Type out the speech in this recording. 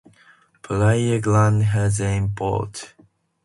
Playa Grande has an airport.